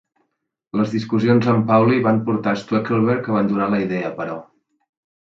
Les discussions amb Pauli van portar a Stueckelberg a abandonar la idea, però.